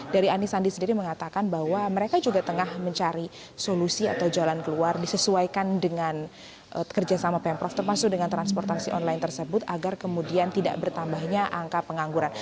dari ani sandi sendiri mengatakan bahwa mereka juga tengah mencari solusi atau jalan keluar disesuaikan dengan kerjasama pemprov termasuk dengan transportasi online tersebut agar kemudian tidak bertambahnya angka pengangguran